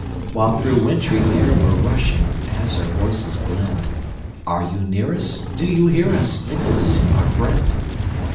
While through wintry air we're rushing, As our voices blend, Are you near us? Do you hear us, Nicholas, our friend?